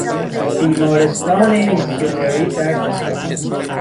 بیمارستان میسیونری در اصفهان